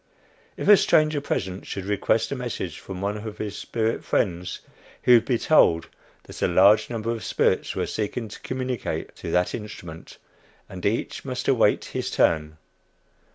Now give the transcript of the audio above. If a stranger present should request a message from one of his spirit friends, he would be told that a large number of spirits were seeking to communicate through that "instrument," and each must await his turn!